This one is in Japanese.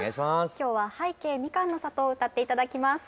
今日は「拝啓みかんの里」を歌って頂きます。